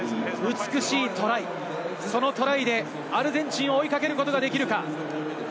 美しいトライ、そのトライでアルゼンチンを追いかけることができるか。